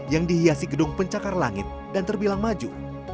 yang dihiasi gedung pencakar langit dan terbilang maju